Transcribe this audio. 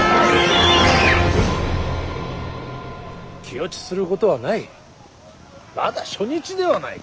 気落ちすることはない。